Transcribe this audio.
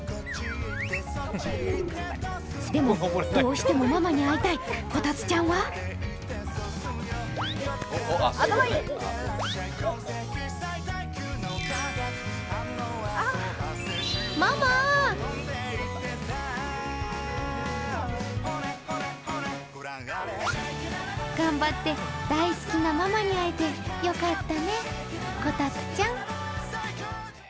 でもどうしてもママに会いたいコタツちゃんは頑張って大好きなママに会えてよかったね、コタツちゃん！